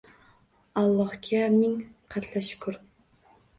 Allohga ming qatla shukr